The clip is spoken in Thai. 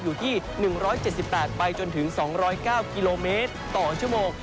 อยู่ที่๑๗๘ไปจนถึง๒๐๙กิโลเมตรต่อชั่วโมง